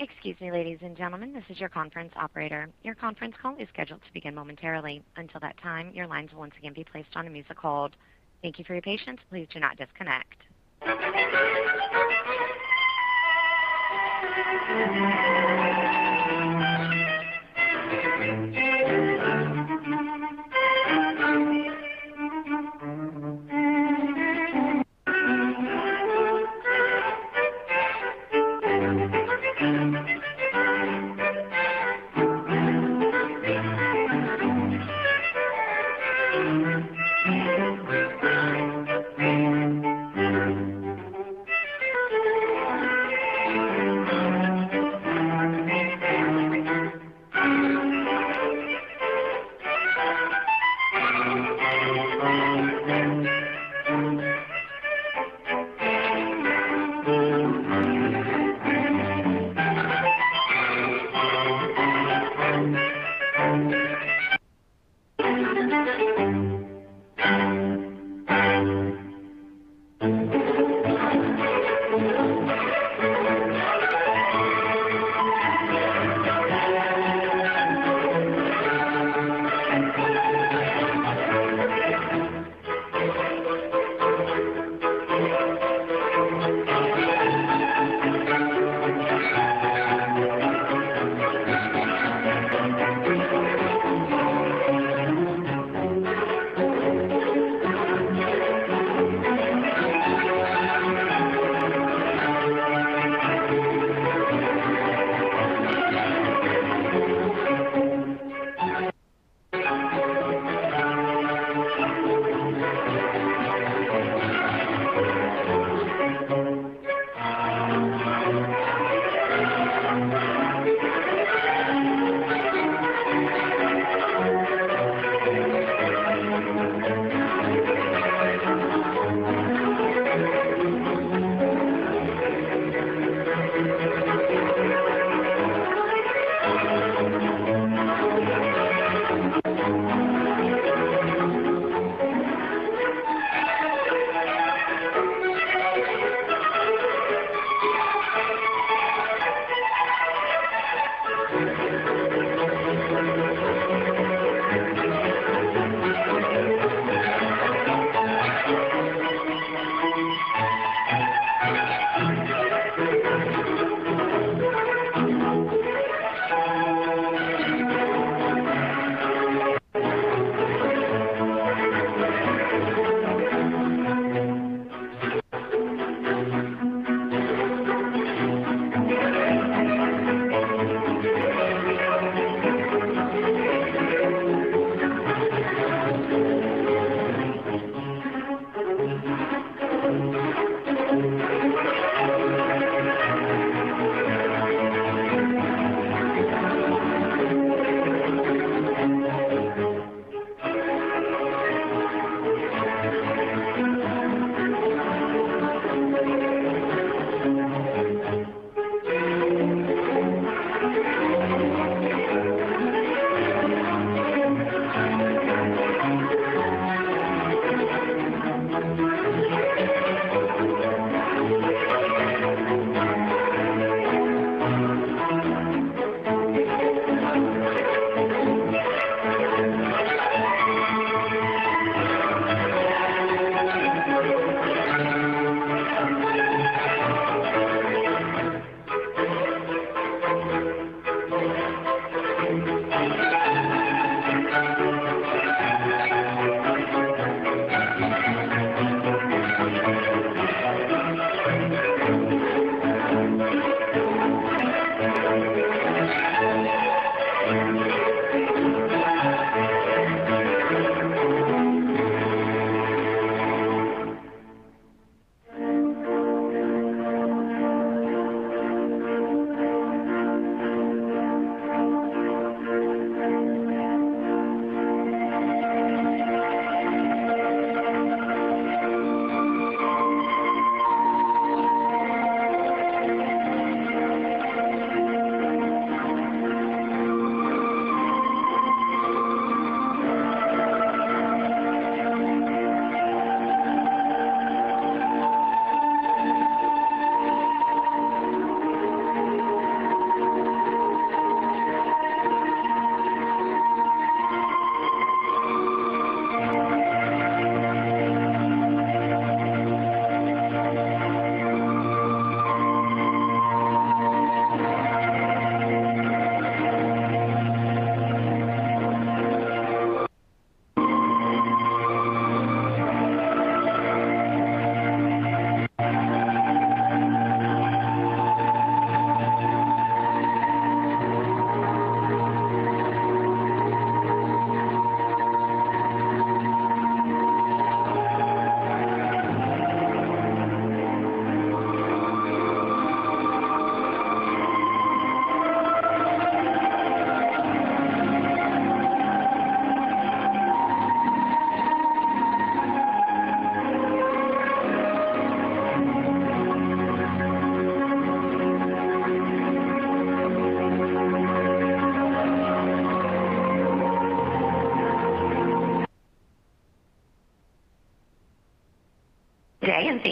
Excuse me, ladies and gentlemen, this is your conference operator. Your conference call is scheduled to begin momentarily. Until that time, your line will once again be placed on a music hold. Thank you for your patience. Please do not disconnect.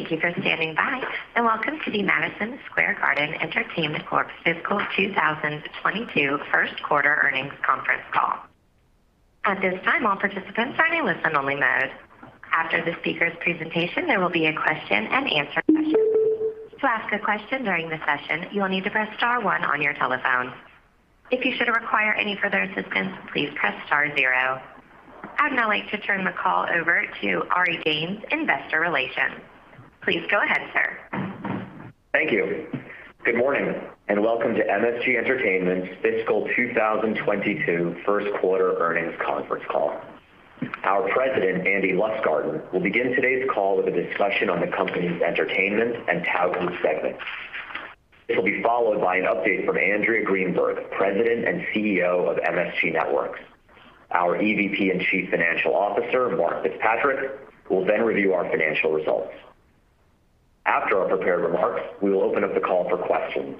Today, thank you for standing by, welcome to the Madison Square Garden Entertainment Corp.'s fiscal 2022 Q1 earnings conference call. At this time, all participants are in listen-only mode. After the speaker's presentation, there will be a question-and-answer session. To ask a question during the session, you will need to press star one on your telephone. If you should require any further assistance, please press star zero. I'd now like to turn the call over to Ari Danes, Investor Relations. Please go ahead, sir. Thank you. Good morning, and welcome to MSG Entertainment's fiscal 2022 Q1 earnings conference call. Our President, Andy Lustgarten, will begin today's call with a discussion on the company's Entertainment and Tao Group segments. This will be followed by an update from Andrea Greenberg, President and CEO of MSG Networks. Our EVP and Chief Financial Officer, Mark FitzPatrick, will then review our financial results. After our prepared remarks, we will open up the call for questions.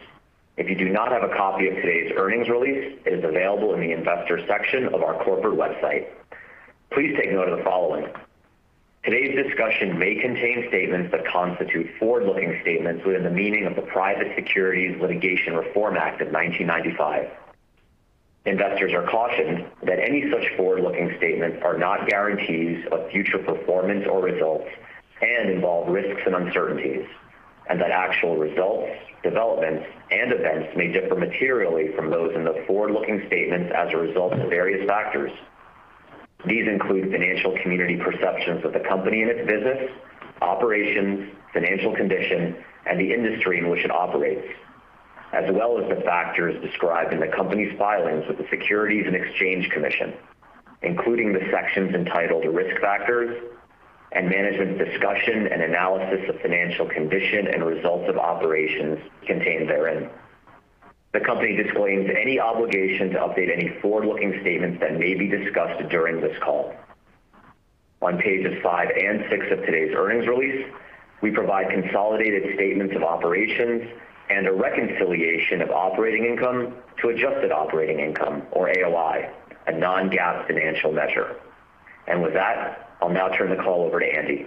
If you do not have a copy of today's earnings release, it is available in the Investors section of our corporate website. Please take note of the following. Today's discussion may contain statements that constitute forward-looking statements within the meaning of the Private Securities Litigation Reform Act of 1995. Investors are cautioned that any such forward-looking statements are not guarantees of future performance or results and involve risks and uncertainties, and that actual results, developments, and events may differ materially from those in the forward-looking statements as a result of various factors. These include financial community perceptions of the company and its business, operations, financial condition, and the industry in which it operates, as well as the factors described in the company's filings with the Securities and Exchange Commission, including the sections entitled Risk Factors and Management Discussion and Analysis of Financial Condition and Results of Operations contained therein. The company disclaims any obligation to update any forward-looking statements that may be discussed during this call. On pages five and six of today's earnings release, we provide consolidated statements of operations and a reconciliation of operating income to adjusted operating income or AOI, a non-GAAP financial measure. With that, I'll now turn the call over to Andy.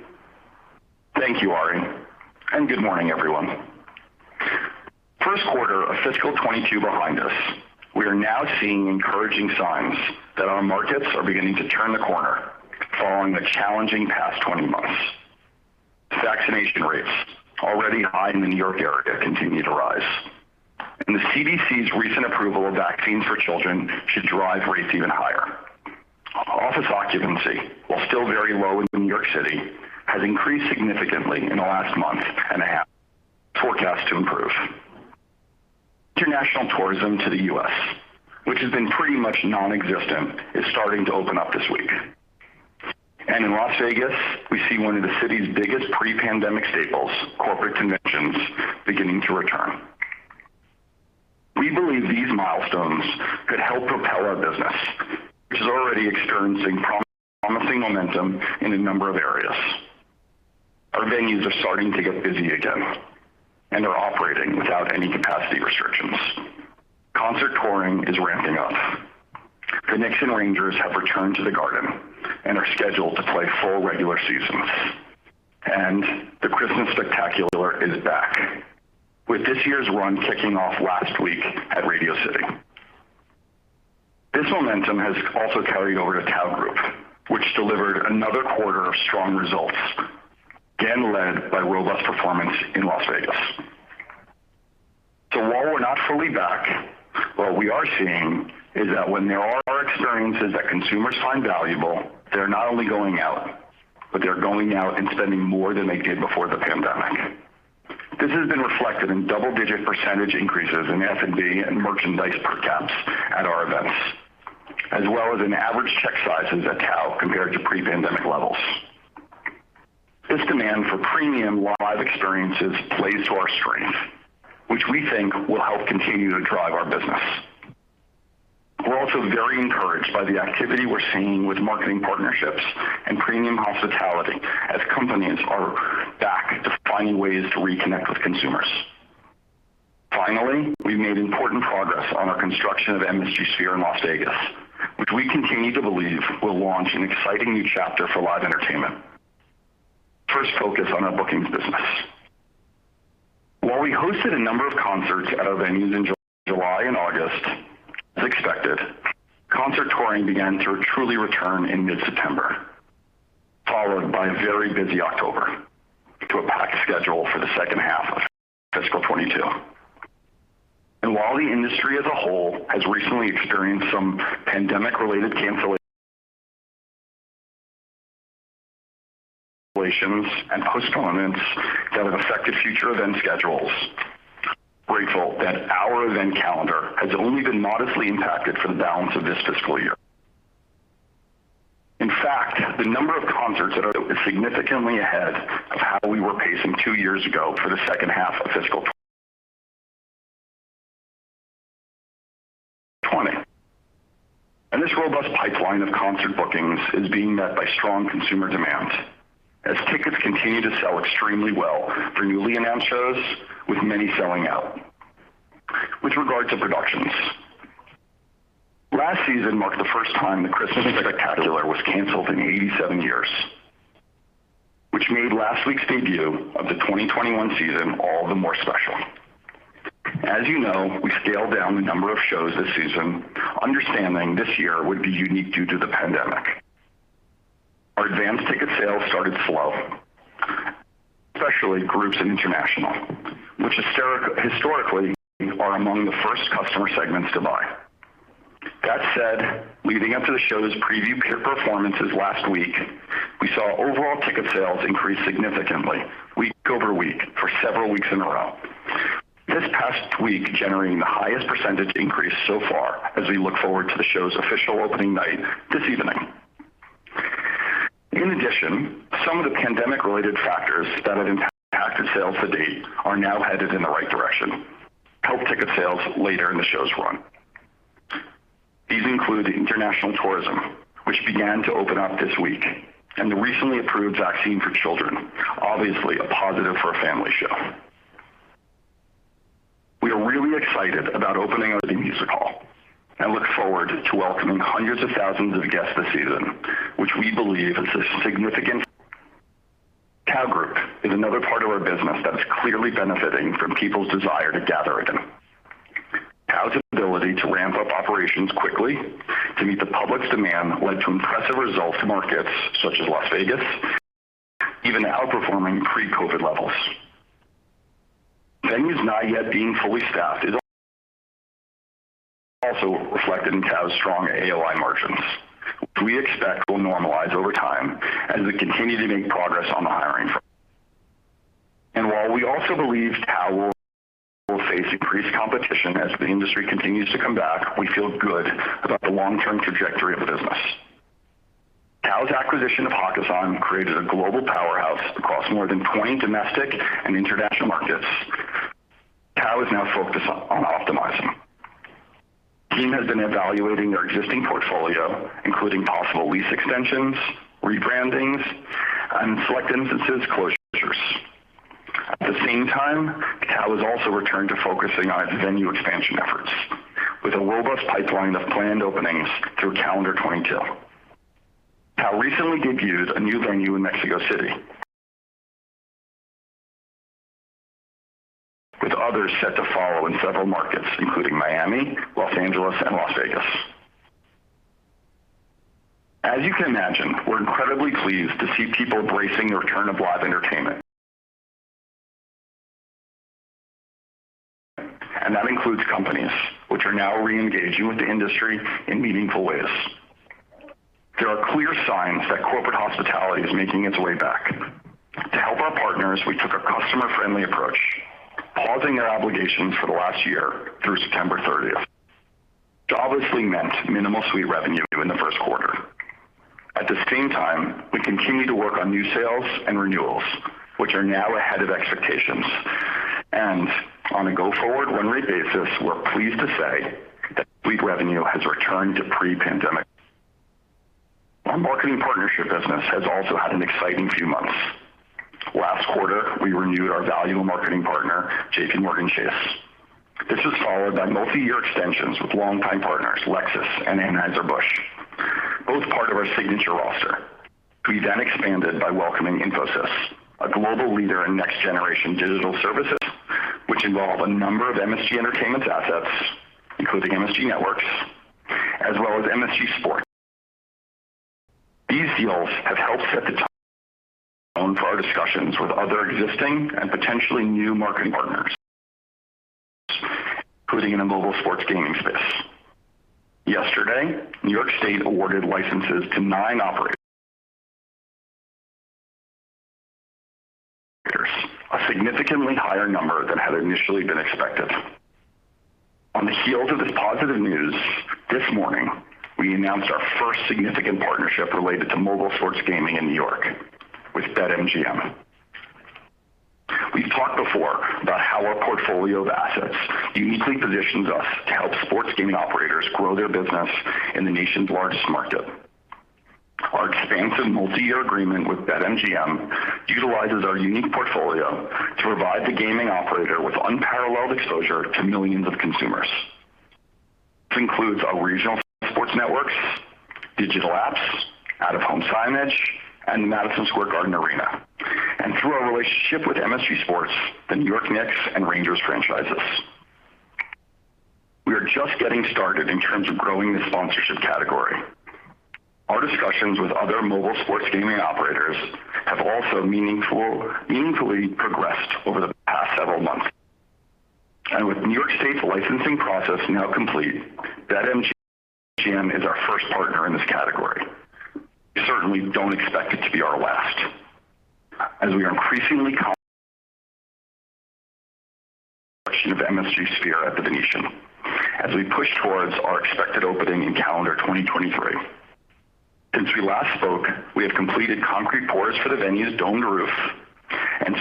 Thank you, Ari, and good morning, everyone. Q1 of fiscal 2022 behind us. We are now seeing encouraging signs that our markets are beginning to turn the corner following the challenging past 20 months. Vaccination rates, already high in the New York area, continue to rise, and the CDC's recent approval of vaccines for children should drive rates even higher. Office occupancy, while still very low in New York City, has increased significantly in the last month and a half, forecast to improve. International tourism to the U.S., which has been pretty much nonexistent, is starting to open up this week. In Las Vegas, we see one of the city's biggest pre-pandemic staples, corporate conventions, beginning to return. We believe these milestones could help propel our business, which is already experiencing promising momentum in a number of areas. Our venues are starting to get busy again and are operating without any capacity restrictions. Concert touring is ramping up. The Knicks and Rangers have returned to the Garden and are scheduled to play full regular seasons. The Christmas Spectacular is back, with this year's run kicking off last week at Radio City. This momentum has also carried over to Tao Group, which delivered another quarter of strong results, again led by robust performance in Las Vegas. While we're not fully back, what we are seeing is that when there are experiences that consumers find valuable, they're not only going out, but they're going out and spending more than they did before the pandemic. This has been reflected in double-digit % increases in F&B and merchandise per caps at our events, as well as in average check sizes at Tao compared to pre-pandemic levels. This demand for premium live experiences plays to our strength, which we think will help continue to drive our business. We're also very encouraged by the activity we're seeing with marketing partnerships and premium hospitality as companies are back to finding ways to reconnect with consumers. Finally, we've made important progress on our construction of MSG Sphere in Las Vegas, which we continue to believe will launch an exciting new chapter for live entertainment. First, focus on our bookings business. While we hosted a number of concerts at our venues in July and August, as expected, concert touring began to truly return in mid-September, followed by a very busy October to a packed schedule for the second half of fiscal 2022. While the industry as a whole has recently experienced some pandemic-related cancellations and postponements that have affected future event schedules, we're grateful that our event calendar has only been modestly impacted for the balance of this fiscal year. In fact, the number of concerts is significantly ahead of how we were pacing two years ago for the second half of fiscal 2020. This robust pipeline of concert bookings is being met by strong consumer demand as tickets continue to sell extremely well for newly announced shows, with many selling out. With regard to productions. This season marked the first time the Christmas Spectacular was canceled in 87 years, which made last week's debut of the 2021 season all the more special. As you know, we scaled down the number of shows this season, understanding this year would be unique due to the pandemic. Our advance ticket sales started slow, especially groups and international, which historically are among the first customer segments to buy. That said, leading up to the show's preview performances last week, we saw overall ticket sales increase significantly week over week for several weeks in a row. This past week generating the highest percentage increase so far as we look forward to the show's official opening night this evening. In addition, some of the pandemic-related factors that have impacted sales to date are now headed in the right direction to help ticket sales later in the show's run. These include international tourism, which began to open up this week, and the recently approved vaccine for children, obviously a positive for a family show. We are really excited about opening up the Music Hall and look forward to welcoming hundreds of thousands of guests this season, which we believe is a significant. Tao Group is another part of our business that is clearly benefiting from people's desire to gather again. Tao's ability to ramp up operations quickly to meet the public's demand led to impressive results in markets such as Las Vegas, even outperforming pre-COVID levels. Venues not yet being fully staffed is also reflected in Tao's strong AOI margins, which we expect will normalize over time as we continue to make progress on the hiring front. While we also believe Tao will face increased competition as the industry continues to come back, we feel good about the long-term trajectory of the business. Tao's acquisition of Hakkasan created a global powerhouse across more than 20 domestic and international markets. Tao is now focused on optimizing. The team has been evaluating their existing portfolio, including possible lease extensions, rebrandings, and in select instances, closures. At the same time, Tao has also returned to focusing on its venue expansion efforts with a robust pipeline of planned openings through calendar 2022. Tao recently debuted a new venue in Mexico City, with others set to follow in several markets, including Miami, Los Angeles, and Las Vegas. As you can imagine, we're incredibly pleased to see people embracing the return of live entertainment. That includes companies which are now reengaging with the industry in meaningful ways. There are clear signs that corporate hospitality is making its way back. To help our partners, we took a customer-friendly approach, pausing their obligations for the last year through September 30, which obviously meant minimal suite revenue in the Q1. At the same time, we continued to work on new sales and renewals, which are now ahead of expectations. On a go-forward run rate basis, we're pleased to say that suite revenue has returned to pre-pandemic. Our marketing partnership business has also had an exciting few months. Last quarter, we renewed our valuable marketing partner, JPMorgan Chase. This was followed by multi-year extensions with longtime partners Lexus and Anheuser-Busch, both part of our signature roster. We then expanded by welcoming Infosys, a global leader in next-generation digital services, which involve a number of MSG Entertainment's assets, including MSG Networks, as well as MSG Sports. These deals have helped set the tone for our discussions with other existing and potentially new marketing partners, including in the mobile sports gaming space. Yesterday, New York State awarded licenses to nine operators, a significantly higher number than had initially been expected. On the heels of this positive news, this morning, we announced our first significant partnership related to mobile sports gaming in New York with BetMGM. We've talked before about how our portfolio of assets uniquely positions us to help sports gaming operators grow their business in the nation's largest market. Our expansive multi-year agreement with BetMGM utilizes our unique portfolio to provide the gaming operator with unparalleled exposure to millions of consumers. This includes our regional sports networks, digital apps, out-of-home signage, and Madison Square Garden Arena through our relationship with MSG Sports, the New York Knicks and Rangers franchises. We are just getting started in terms of growing the sponsorship category. Our discussions with other mobile sports gaming operators have also meaningfully progressed over the past several months. With New York State's licensing process now complete, BetMGM is our first partner in this category. We certainly don't expect it to be our last. As we are increasingly confident in MSG Sphere at The Venetian as we push towards our expected opening in calendar 2023. Since we last spoke, we have completed concrete pours for the venue's domed roof and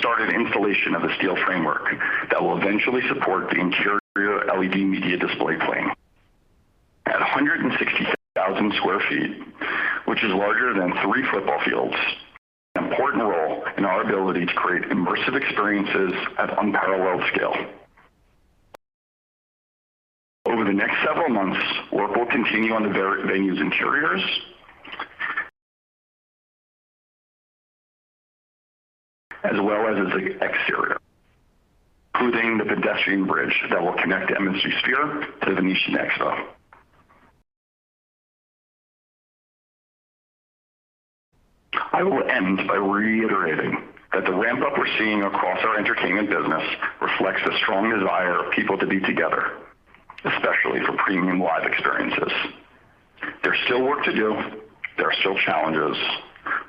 started installation of a steel framework that will eventually support the interior LED media display plane at 167,000 sq ft. Which is larger than three football fields. An important role in our ability to create immersive experiences at unparalleled scale. Over the next several months, work will continue on the venue's interiors as well as its exterior, including the pedestrian bridge that will connect MSG Sphere to the Venetian Expo. I will end by reiterating that the ramp-up we're seeing across our entertainment business reflects the strong desire of people to be together, especially for premium live experiences. There's still work to do. There are still challenges,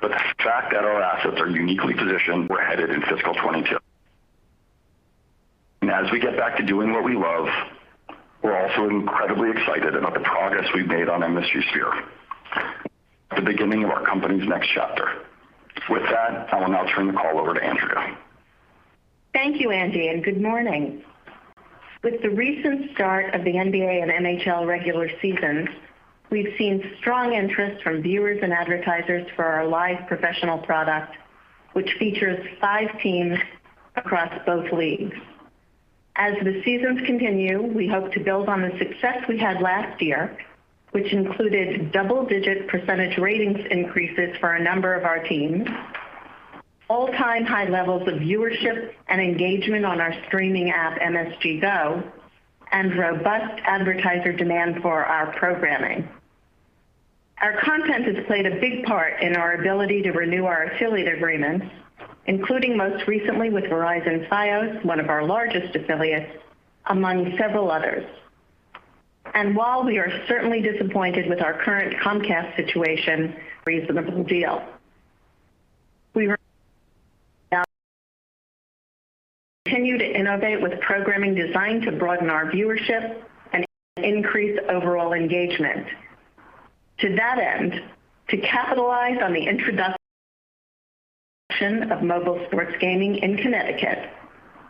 but the fact that our assets are uniquely positioned, we're headed in fiscal 2022. As we get back to doing what we love, we're also incredibly excited about the progress we've made on MSG Sphere, the beginning of our company's next chapter. With that, I will now turn the call over to Andrea. Thank you, Andy, and good morning. With the recent start of the NBA and NHL regular seasons, we've seen strong interest from viewers and advertisers for our live professional product, which features five teams across both leagues. As the seasons continue, we hope to build on the success we had last year, which included double-digit % ratings increases for a number of our teams, all-time high levels of viewership and engagement on our streaming app, MSG Go, and robust advertiser demand for our programming. Our content has played a big part in our ability to renew our affiliate agreements, including most recently with Verizon Fios, one of our largest affiliates, among several others. While we are certainly disappointed with our current Comcast situation, a reasonable deal. We continue to innovate with programming designed to broaden our viewership and increase overall engagement. To that end, to capitalize on the introduction of mobile sports gaming in Connecticut,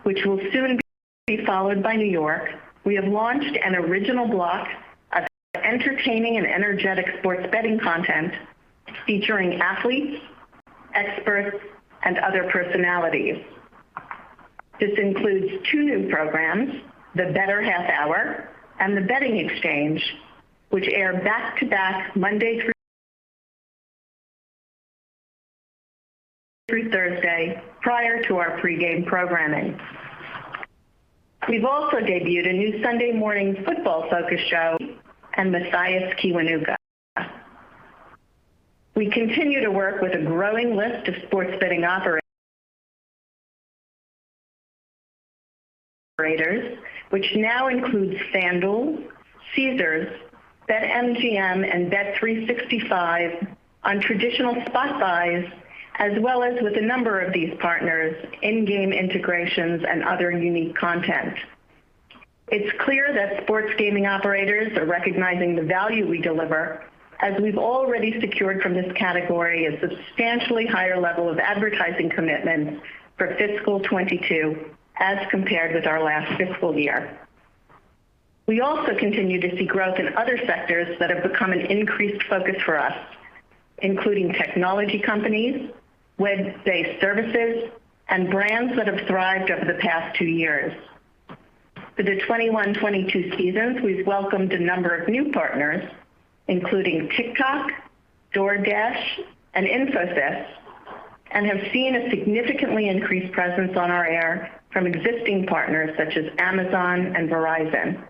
which will soon be followed by New York, we have launched an original block of entertaining and energetic sports betting content featuring athletes, experts, and other personalities. This includes two new programs, The Bettor Half Hour and The Betting Exchange, which air back-to-back Monday through Thursday prior to our pregame programming. We've also debuted a new Sunday morning football focus show, and Mathias Kiwanuka. We continue to work with a growing list of sports betting operators, which now includes FanDuel, Caesars, BetMGM, and bet365 on traditional spot buys, as well as with a number of these partners in-game integrations and other unique content. It's clear that sports gaming operators are recognizing the value we deliver, as we've already secured from this category a substantially higher level of advertising commitments for fiscal 2022 as compared with our last fiscal year. We also continue to see growth in other sectors that have become an increased focus for us, including technology companies, web-based services, and brands that have thrived over the past 2 years. For the 2021, 2022 seasons, we've welcomed a number of new partners, including TikTok, DoorDash, and Infosys, and have seen a significantly increased presence on our air from existing partners such as Amazon and Verizon.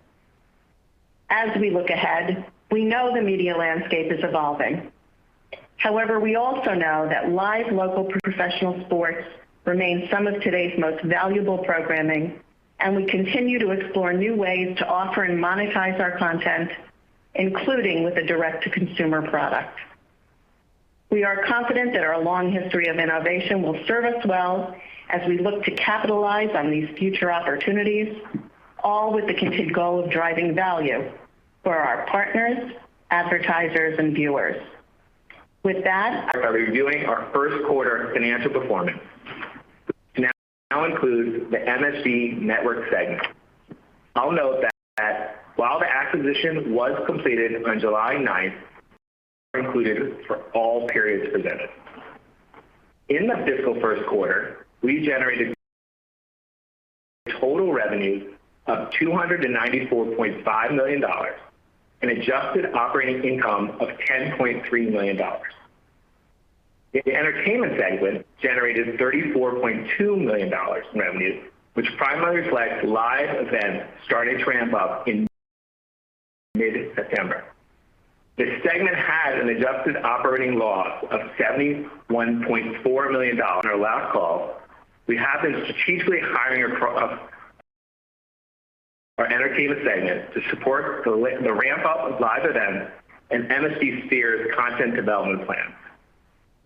As we look ahead, we know the media landscape is evolving. However, we also know that live local professional sports remain some of today's most valuable programming, and we continue to explore new ways to offer and monetize our content, including with a direct-to-consumer product. We are confident that our long history of innovation will serve us well as we look to capitalize on these future opportunities, all with the continued goal of driving value for our partners, advertisers, and viewers. With that. By reviewing our Q1 financial performance, which now includes the MSG Networks segment. I'll note that while the acquisition was completed on July ninth, the results are included for all periods presented. In the fiscal Q1, we generated total revenue of $294.5 million and adjusted operating income of $10.3 million. The Entertainment segment generated $34.2 million in revenue, which primarily reflects live events starting to ramp up in mid-September. The segment had an adjusted operating loss of $71.4 million. In our last call, we have been strategically hiring across our Entertainment segment to support the ramp-up of live events and MSG Sphere's content development plans.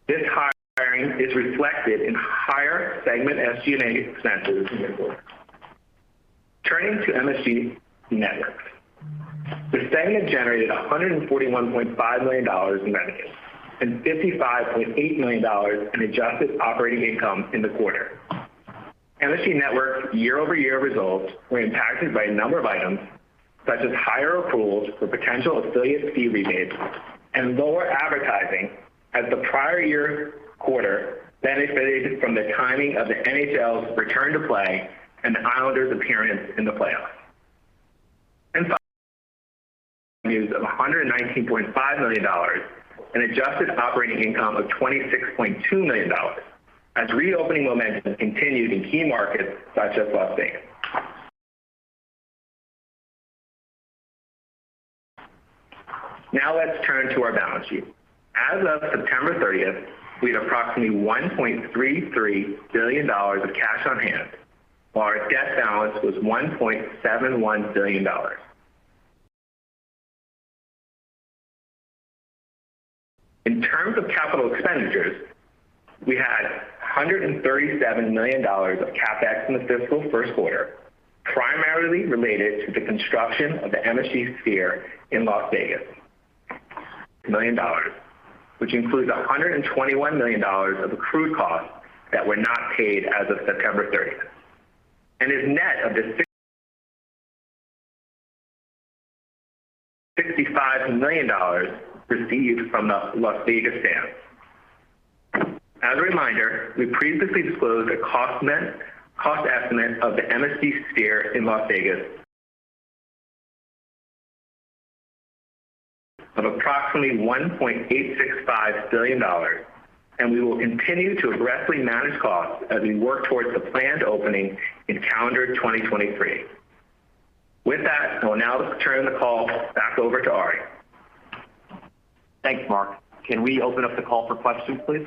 This hiring is reflected in higher segment SG&A expenses in the quarter. Turning to MSG Networks. The segment generated $141.5 million in revenue and $55.8 million in adjusted operating income in the quarter. MSG Networks year-over-year results were impacted by a number of items, such as higher accruals for potential affiliate fee rebates and lower advertising as the prior year quarter benefited from the timing of the NHL's return to play and the Islanders appearance in the playoffs. In summary, revenues of $119.5 million and adjusted operating income of $26.2 million as reopening momentum continued in key markets such as Las Vegas. Now let's turn to our balance sheet. As of September 30, we had approximately $1.33 billion of cash on hand, while our debt balance was $1.71 billion. In terms of capital expenditures, we had $137 million of CapEx in the fiscal Q1, primarily related to the construction of the MSG Sphere in Las Vegas. $137 million, which includes $121 million of accrued costs that were not paid as of September 30 and is net of the $65 million received from Las Vegas Sands. As a reminder, we previously disclosed a cost estimate of the MSG Sphere in Las Vegas of approximately $1.865 billion, and we will continue to aggressively manage costs as we work towards the planned opening in calendar 2023. With that, I will now turn the call back over to Ari. Thanks, Mark. Can we open up the call for questions, please?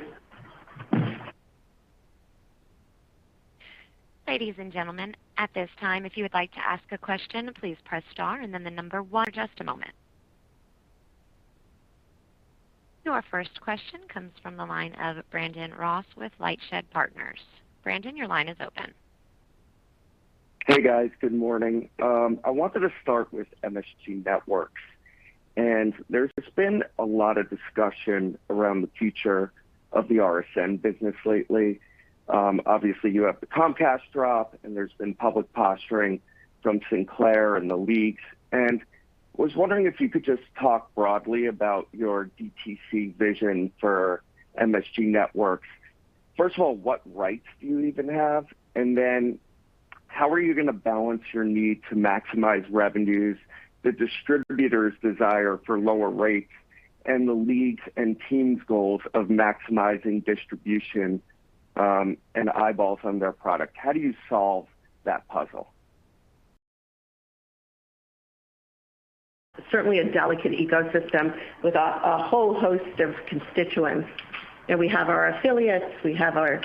Ladies and gentlemen, at this time, if you would like to ask a question, please press star and then the number one. Just a moment. Our first question comes from the line of Brandon Ross with LightShed Partners. Brandon, your line is open. Hey, guys. Good morning. I wanted to start with MSG Networks. There's been a lot of discussion around the future of the RSN business lately. Obviously, you have the Comcast drop, and there's been public posturing from Sinclair and the leagues. I was wondering if you could just talk broadly about your DTC vision for MSG Networks. First of all, what rights do you even have? And then how are you going to balance your need to maximize revenues, the distributors' desire for lower rates, and the leagues' and teams' goals of maximizing distribution, and eyeballs on their product? How do you solve that puzzle? Certainly a delicate ecosystem with a whole host of constituents. You know, we have our affiliates, we have our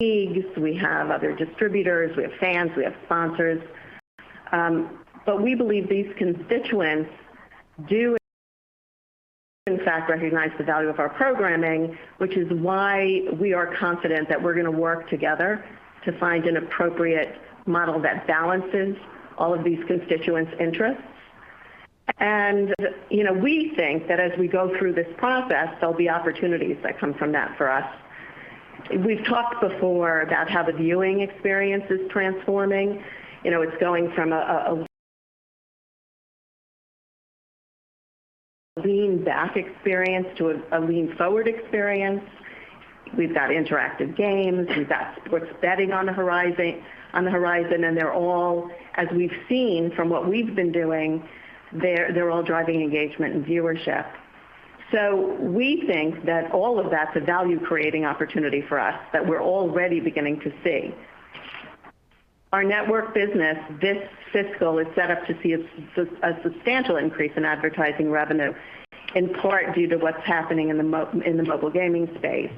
leagues, we have other distributors, we have fans, we have sponsors. But we believe these constituents do in fact recognize the value of our programming, which is why we are confident that we're going to work together to find an appropriate model that balances all of these constituents' interests. You know, we think that as we go through this process, there'll be opportunities that come from that for us. We've talked before about how the viewing experience is transforming. You know, it's going from a lean back experience to a lean forward experience. We've got interactive games, we've got sports betting on the horizon, and they're all, as we've seen from what we've been doing, they're all driving engagement and viewership. We think that all of that's a value-creating opportunity for us that we're already beginning to see. Our network business this fiscal is set up to see a substantial increase in advertising revenue, in part due to what's happening in the mobile gaming space.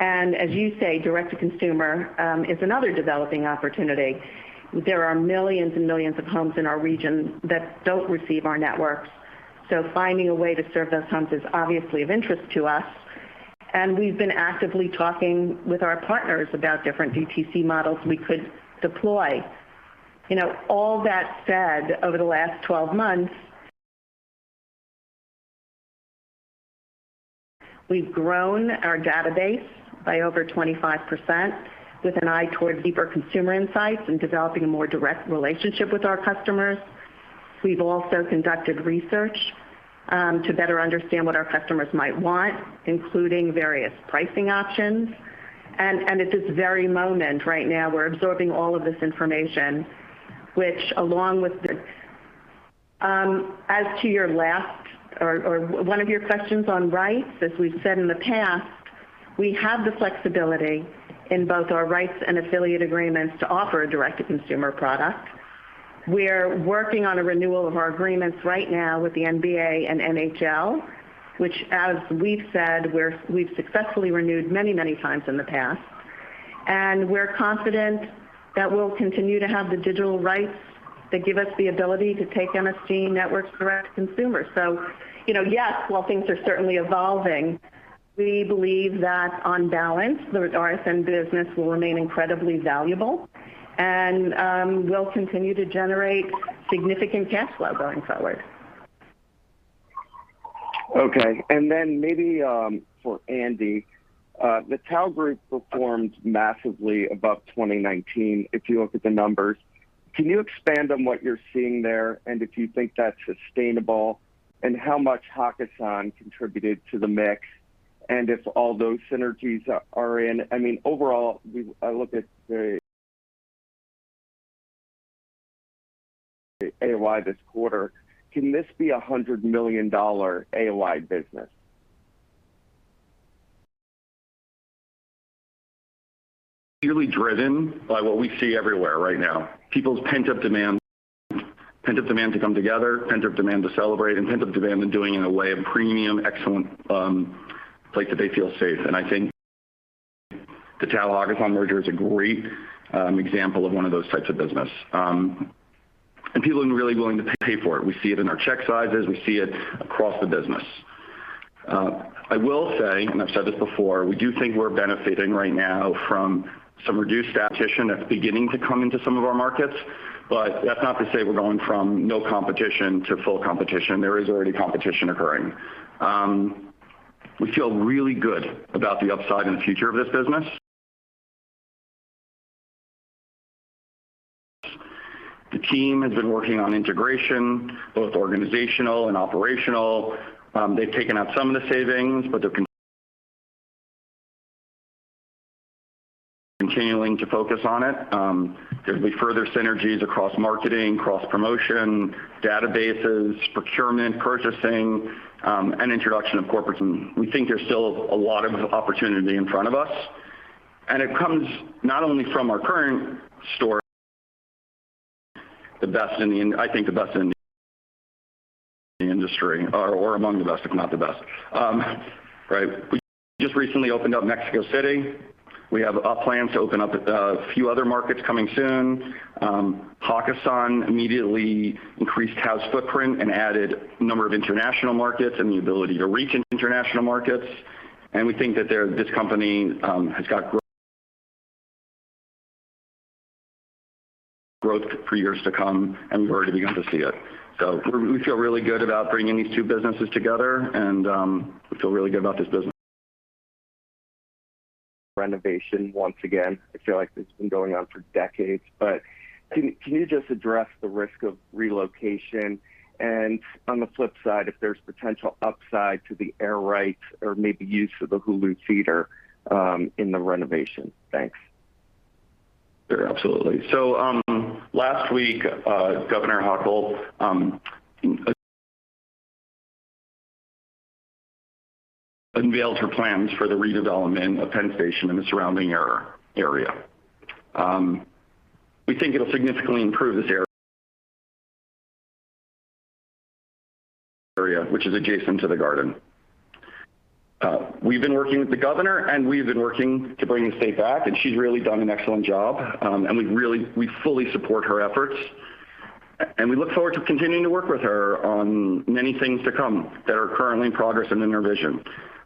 As you say, direct-to-consumer is another developing opportunity. There are millions and millions of homes in our region that don't receive our networks. Finding a way to serve those homes is obviously of interest to us. We've been actively talking with our partners about different DTC models we could deploy. You know, all that said, over the last 12 months, we've grown our database by over 25% with an eye towards deeper consumer insights and developing a more direct relationship with our customers. We've also conducted research to better understand what our customers might want, including various pricing options. At this very moment right now, we're absorbing all of this information. As to your last or one of your questions on rights, as we've said in the past, we have the flexibility in both our rights and affiliate agreements to offer a direct-to-consumer product. We're working on a renewal of our agreements right now with the NBA and NHL, which as we've said, we've successfully renewed many times in the past. We're confident that we'll continue to have the digital rights that give us the ability to take MSG Networks direct-to-consumer. You know, yes, while things are certainly evolving, we believe that on balance, the RSN business will remain incredibly valuable and will continue to generate significant cash flow going forward. Okay. Maybe for Andy, the Tao Group performed massively above 2019 if you look at the numbers. Can you expand on what you're seeing there, and if you think that's sustainable and how much Hakkasan contributed to the mix and if all those synergies are in? I mean, overall, I look at the AOI this quarter. Can this be a $100 million AOI business? Clearly driven by what we see everywhere right now. People's pent-up demand, pent-up demand to come together, pent-up demand to celebrate, and pent-up demand in doing it in a way of premium, excellent, place that they feel safe. I think the Tao Hakkasan merger is a great example of one of those types of business. People have been really willing to pay for it. We see it in our check sizes. We see it across the business. I will say, and I've said this before, we do think we're benefiting right now from some reduced competition that's beginning to come into some of our markets. That's not to say we're going from no competition to full competition. There is already competition occurring. We feel really good about the upside and the future of this business. The team has been working on integration, both organizational and operational. They've taken out some of the savings, but they're continuing to focus on it. There'll be further synergies across marketing, cross-promotion, databases, procurement, purchasing, and introduction of corporate. We think there's still a lot of opportunity in front of us. It comes not only from our current store, the best in the industry or among the best, if not the best. Right. We just recently opened up Mexico City. We have plans to open up a few other markets coming soon. Hakkasan immediately increased Tao's footprint and added a number of international markets and the ability to reach international markets. We think that this company has got growth for years to come, and we've already begun to see it. We feel really good about bringing these two businesses together and we feel really good about this business. Renovation once again. I feel like it's been going on for decades. Can you just address the risk of relocation? On the flip side, if there's potential upside to the air rights or maybe use of the Hulu Theater in the renovation. Thanks. Sure. Absolutely. Last week, Governor Hochul unveiled her plans for the redevelopment of Penn Station and the surrounding area. We think it'll significantly improve this area, which is adjacent to the Garden. We've been working with the governor, and we've been working to bring the state back, and she's really done an excellent job. We fully support her efforts, and we look forward to continuing to work with her on many things to come that are currently in progress and in her vision.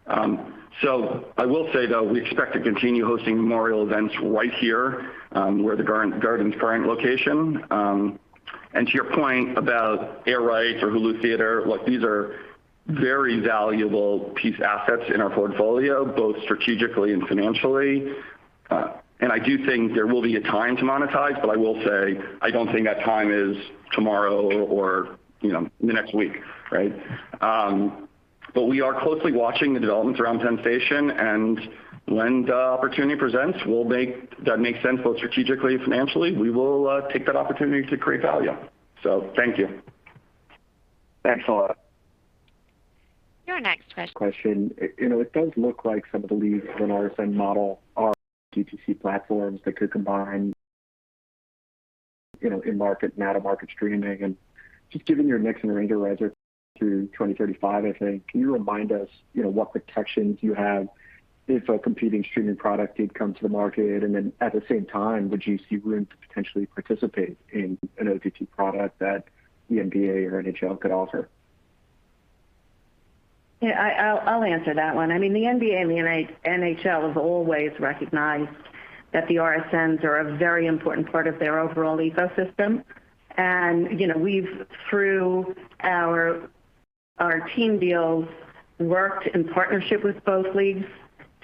I will say, though, we expect to continue hosting memorial events right here, at the Garden's current location. To your point about air rights or Hulu Theater, look, these are very valuable assets in our portfolio, both strategically and financially. I do think there will be a time to monetize, but I will say I don't think that time is tomorrow or, you know, in the next week, right? We are closely watching the developments around Penn Station, and when the opportunity presents, we'll make that make sense both strategically, financially, we will take that opportunity to create value. Thank you. Thanks a lot. Your next question. You know, it does look like some of the leads in RSN model are DTC platforms that could combine, you know, in-market and out-of-market streaming. Just given your mix and range of reserves through 2035, I think, can you remind us, you know, what protections you have if a competing streaming product did come to the market? At the same time, would you see room to potentially participate in an OTT product that the NBA or NHL could offer? Yeah, I'll answer that one. I mean, the NBA and the NHL have always recognized that the RSNs are a very important part of their overall ecosystem. You know, we've through our team deals worked in partnership with both leagues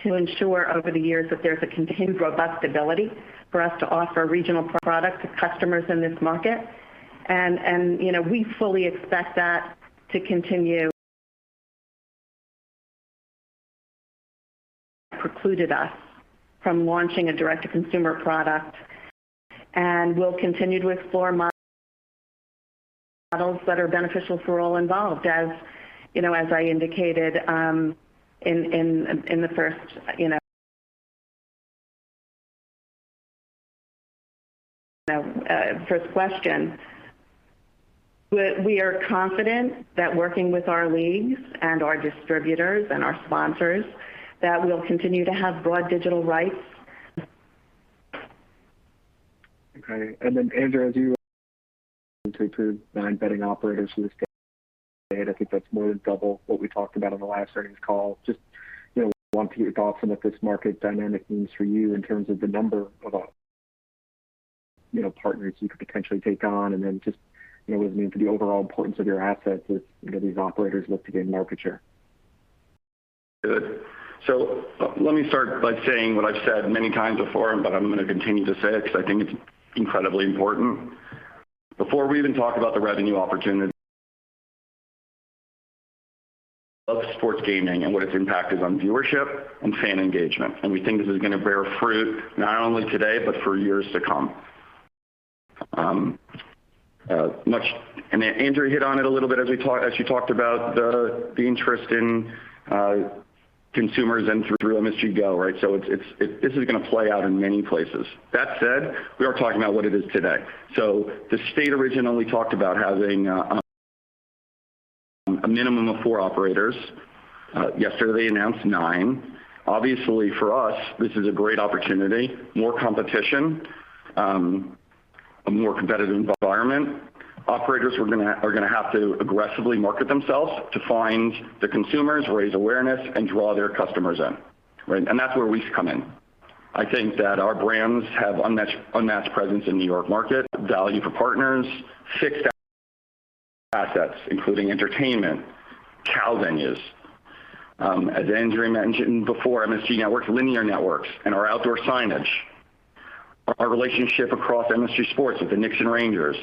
to ensure over the years that there's a continued robust ability for us to offer regional product to customers in this market. You know, we fully expect that to continue. Precluded us from launching a direct-to-consumer product, and we'll continue to explore models that are beneficial for all involved. You know, as I indicated in the first question. We are confident that working with our leagues and our distributors and our sponsors, that we'll continue to have broad digital rights. Okay. Andrea, as you know, to approve nine betting operators for the state. I think that's more than double what we talked about on the last earnings call. Just, you know, want your thoughts on what this market dynamic means for you in terms of the number of op- You know, partners you could potentially take on and then just, you know, what it means for the overall importance of your assets as, you know, these operators look to gain market share. Good. Let me start by saying what I've said many times before, but I'm gonna continue to say it because I think it's incredibly important. Before we even talk about the revenue opportunity of sports gaming and what its impact is on viewership and fan engagement. We think this is gonna bear fruit not only today, but for years to come. Andrea hit on it a little bit as you talked about the interest in consumers and through MSG Go, right? It's this is gonna play out in many places. That said, we are talking about what it is today. The state originally talked about having a minimum of four operators. Yesterday, they announced nine. Obviously, for us, this is a great opportunity, more competition, a more competitive environment. Operators are gonna have to aggressively market themselves to find the consumers, raise awareness, and draw their customers in, right? That's where we come in. I think that our brands have unmatched presence in New York market, value for partners, fixed assets including entertainment, CAL venues. As Andrea mentioned before, MSG Networks, linear networks, and our outdoor signage. Our relationship across MSG Sports with the Knicks and Rangers.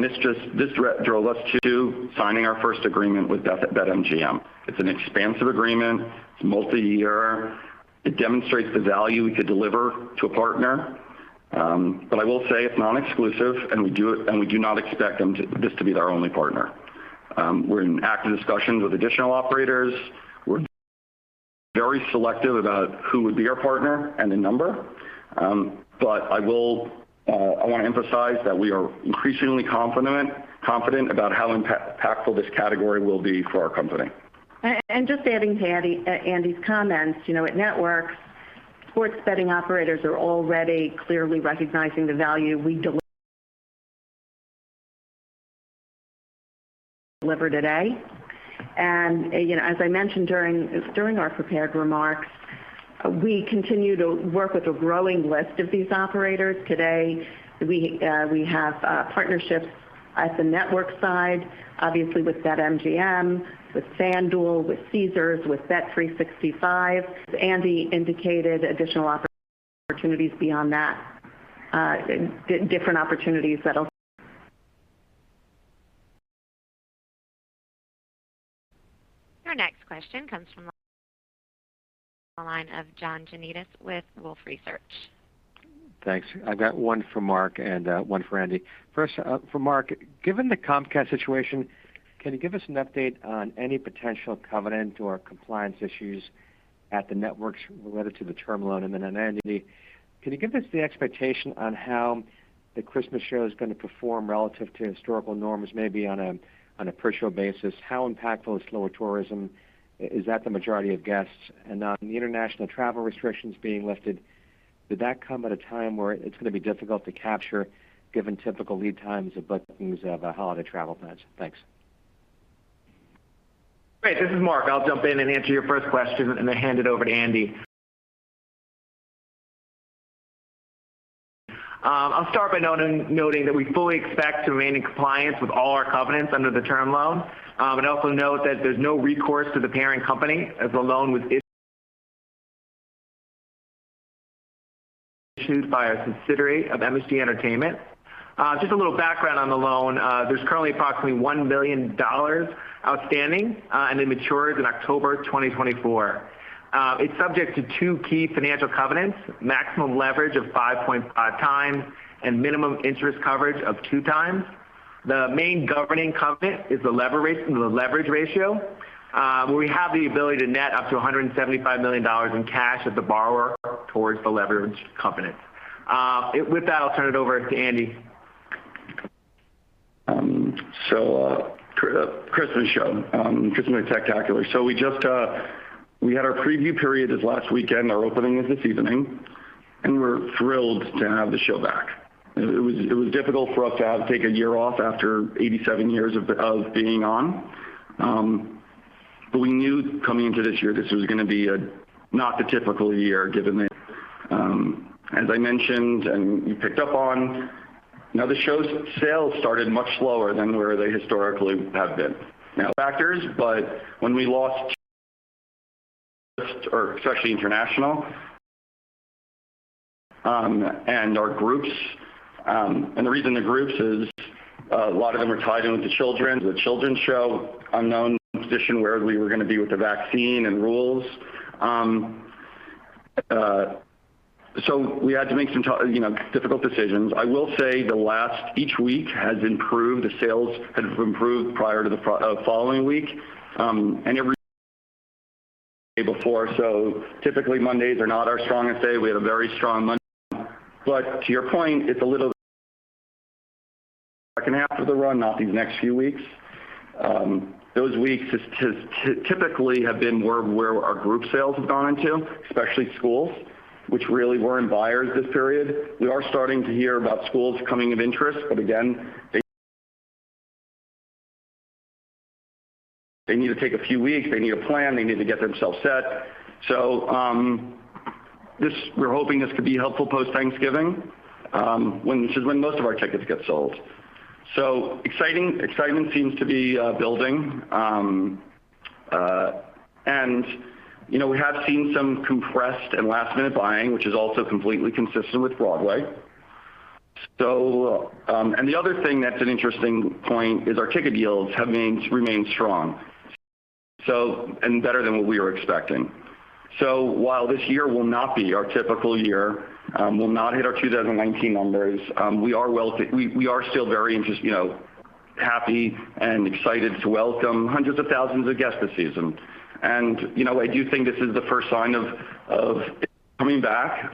This drove us to signing our first agreement with BetMGM. It's an expansive agreement. It's multi-year. It demonstrates the value we could deliver to a partner. But I will say it's non-exclusive, and we do not expect this to be their only partner. We're in active discussions with additional operators. We're very selective about who would be our partner and the number. I will, I wanna emphasize that we are increasingly confident about how impactful this category will be for our company. Just adding to Andy's comments. You know, at Networks, sports betting operators are already clearly recognizing the value we deliver today. You know, as I mentioned during our prepared remarks, we continue to work with a growing list of these operators. Today, we have partnerships at the network side, obviously with BetMGM, with FanDuel, with Caesars, with bet365. Andy indicated additional opportunities beyond that, different opportunities that'll... Your next question comes from the line of John Janedis with Wolfe Research. Thanks. I've got one for Mark and one for Andy. First, for Mark. Given the Comcast situation, can you give us an update on any potential covenant or compliance issues at the networks related to the term loan? On Andy, can you give us the expectation on how the Christmas show is gonna perform relative to historical norms, maybe on a per show basis? How impactful is slower tourism? Is that the majority of guests? On the international travel restrictions being lifted, did that come at a time where it's gonna be difficult to capture given typical lead times of bookings of holiday travel plans? Thanks. Great. This is Mark. I'll jump in and answer your first question and then hand it over to Andy. I'll start by noting that we fully expect to remain in compliance with all our covenants under the term loan. Also note that there's no recourse to the parent company as the loan was issued by a subsidiary of MSG Entertainment. Just a little background on the loan. There's currently approximately $1 million outstanding, and it matures in October 2024. It's subject to two key financial covenants, maximum leverage of 5.5 times and minimum interest coverage of 2 times. The main governing covenant is the leverage ratio, where we have the ability to net up to $175 million in cash as the borrower towards the leverage covenant. With that, I'll turn it over to Andy. Christmas Spectacular. We just had our preview period this last weekend. Our opening is this evening, and we're thrilled to have the show back. It was difficult for us to have to take a year off after 87 years of being on. We knew coming into this year, this was gonna be a not the typical year, given that, as I mentioned and you picked up on. Now, the show's sales started much slower than where they historically have been. A number of factors, but when we lost out especially international, and our groups, and the reason the groups is a lot of them are tied in with the children. The children's show in an unknown position where we were gonna be with the vaccine and rules. We had to make some tough, you know, difficult decisions. I will say each week has improved. The sales have improved prior to the following week. Every before, so typically Mondays are not our strongest day. We had a very strong Monday. But to your point, it's a little. Second half of the run, not these next few weeks. Those weeks typically have been where our group sales have gone into, especially schools, which really weren't buyers this period. We are starting to hear about schools coming of interest, but again, they need to take a few weeks, they need a plan, they need to get themselves set. We're hoping this could be helpful post Thanksgiving, when most of our tickets get sold. Excitement seems to be building. You know, we have seen some compressed and last-minute buying, which is also completely consistent with Broadway. The other thing that's an interesting point is our ticket yields have remained strong and better than what we were expecting. While this year will not be our typical year, we'll not hit our 2019 numbers. We are still you know, happy and excited to welcome hundreds of thousands of guests this season. You know, I do think this is the first sign of it coming back.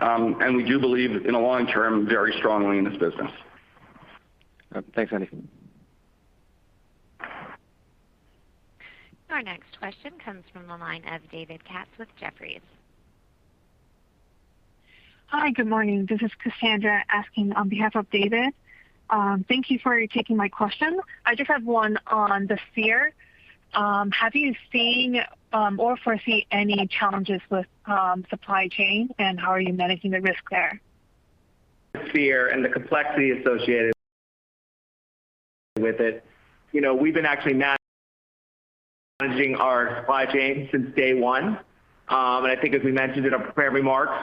We do believe in the long term, very strongly in this business. Thanks, Andy. Our next question comes from the line of David Katz with Jefferies. Hi, good morning. This is Cassandra asking on behalf of David. Thank you for taking my question. I just have one on the Sphere. Have you seen or foresee any challenges with supply chain, and how are you managing the risk there? Sphere and the complexity associated with it. You know, we've been actually managing our supply chain since day one. I think as we mentioned in our prepared remarks,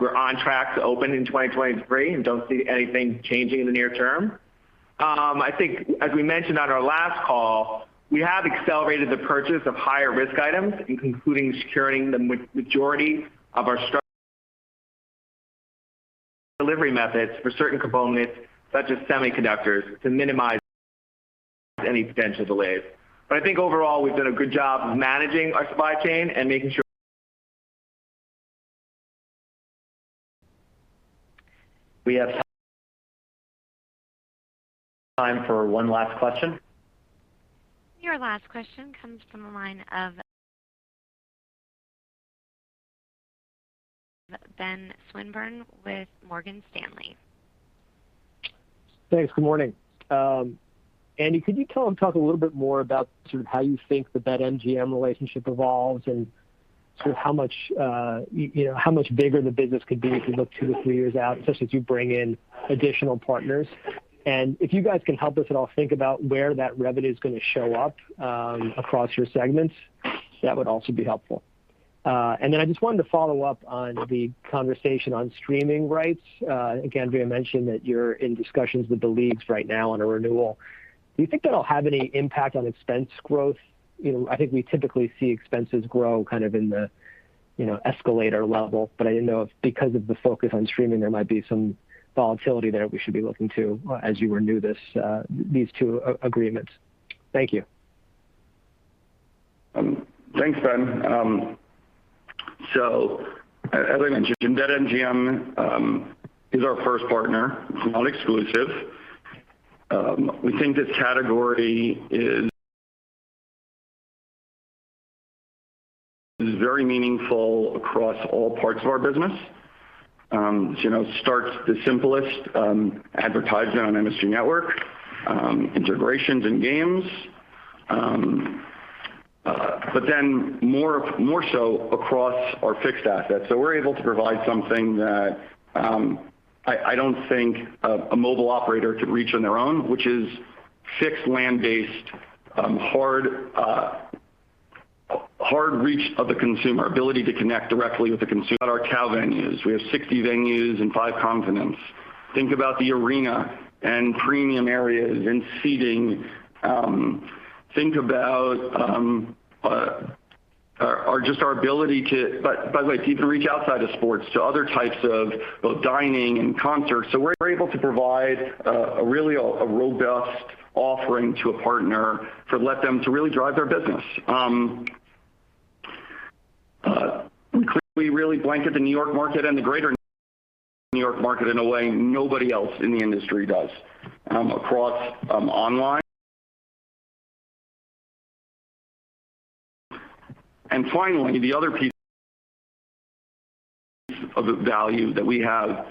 we're on track to open in 2023 and don't see anything changing in the near term. I think as we mentioned on our last call, we have accelerated the purchase of higher risk items, including securing the majority of our structure delivery methods for certain components such as semiconductors to minimize any potential delays. I think overall, we've done a good job of managing our supply chain. We have time for one last question. Your last question comes from the line of Ben Swinburne with Morgan Stanley. Thanks. Good morning. Andy, could you talk a little bit more about sort of how you think the BetMGM relationship evolves and sort of how much, you know, how much bigger the business could be if you look 2-3 years out, especially as you bring in additional partners. If you guys can help us at all, think about where that revenue is going to show up, across your segments. That would also be helpful. I just wanted to follow up on the conversation on streaming rights. Again, we had mentioned that you're in discussions with the leagues right now on a renewal. Do you think that'll have any impact on expense growth? You know, I think we typically see expenses grow kind of in the, you know, escalator level, but I didn't know if because of the focus on streaming, there might be some volatility there we should be looking to as you renew these two agreements. Thank you. Thanks, Ben. As I mentioned, BetMGM is our first partner. It's not exclusive. We think this category is very meaningful across all parts of our business. You know, it starts with the simplest, advertising on MSG Networks, integrations and games, but then more so across our fixed assets. We're able to provide something that I don't think a mobile operator could reach on their own, which is fixed land-based hard reach of the consumer, ability to connect directly with the consumer at our Tao venues. We have 60 venues in 5 continents. Think about the arena and premium areas and seating. Think about our ability to. By the way, you can reach outside of sports to other types of both dining and concerts. We're able to provide really a robust offering to a partner to let them really drive their business. We clearly really blanket the New York market and the greater New York market in a way nobody else in the industry does, across online. Finally, the other piece of the value that we have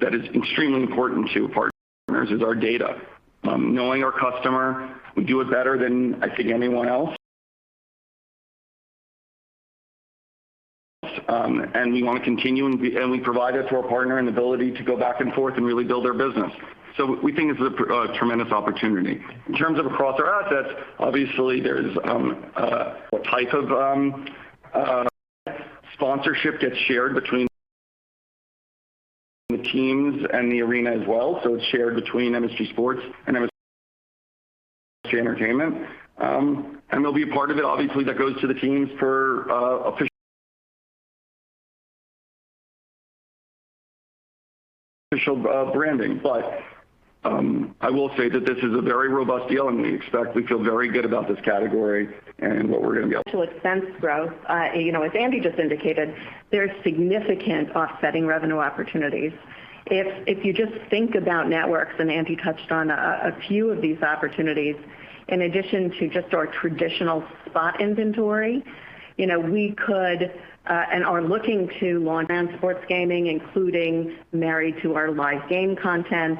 that is extremely important to partners is our data. Knowing our customer, we do it better than I think anyone else. We want to continue and we provide it to our partner and the ability to go back and forth and really build their business. We think it's a tremendous opportunity. In terms of across our assets, obviously, there's a type of sponsorship gets shared between the teams and the arena as well. It's shared between MSG Sports and MSG Entertainment. There'll be a part of it, obviously, that goes to the teams for official branding. I will say that this is a very robust deal, and we feel very good about this category and what we're going to be able- Regarding expense growth. You know, as Andy just indicated, there's significant offsetting revenue opportunities. If you just think about networks, and Andy touched on a few of these opportunities, in addition to just our traditional spot inventory. You know, we could and are looking to launch sports gaming, including married to our live game content.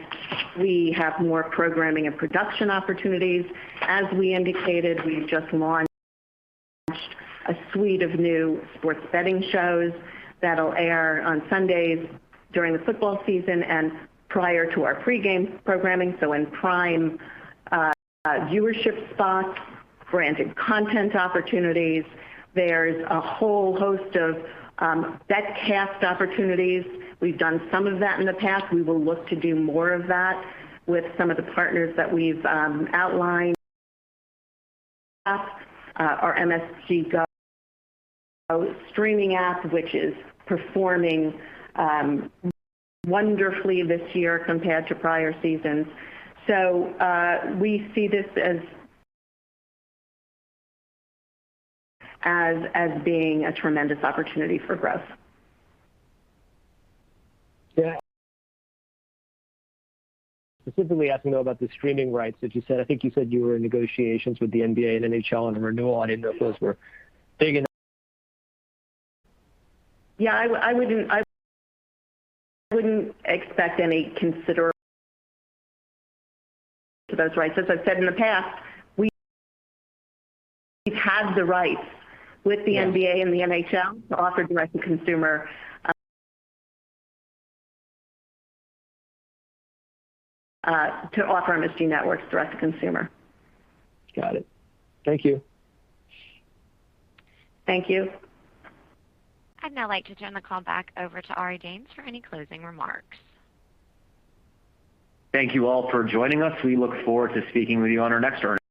We have more programming and production opportunities. As we indicated, we just launched a suite of new sports betting shows that'll air on Sundays during the football season and prior to our pre-game programming. In prime viewership spots, great content opportunities. There's a whole host of BetCast opportunities. We've done some of that in the past. We will look to do more of that with some of the partners that we've outlined. Our MSG Go streaming app, which is performing wonderfully this year compared to prior seasons. We see this as being a tremendous opportunity for growth. Yeah. Specifically asking, though, about the streaming rights that you said. I think you said you were in negotiations with the NBA and NHL on the renewal. I didn't know if those were big enough? Yeah, I wouldn't expect any consideration to those rights. As I've said in the past, we've had the rights with the NBA and the NHL to offer MSG Networks direct to consumer. Got it. Thank you. Thank you. I'd now like to turn the call back over to Ari Danes for any closing remarks. Thank you all for joining us. We look forward to speaking with you on our next earnings call.